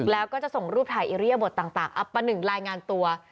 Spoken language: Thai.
แล้วก็จะส่งรูปถ่ายอิริยบทต่างอับประหนึ่งรายงานตัว